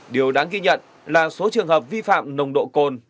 điều đáng ghi nhận là số trường hợp vi phạm nồng độ cồn